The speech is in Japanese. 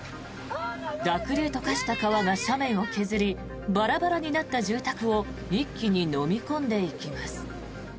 濁流と化した川が斜面を削りバラバラになった住宅を一気にのみ込んでいきます。